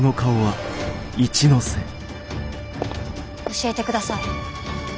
教えてください。